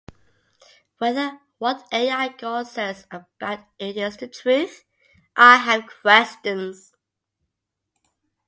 Whether what Al Gore says about it is the truth, I have questions.